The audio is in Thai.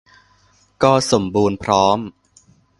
ก็สมบูรณ์พร้อม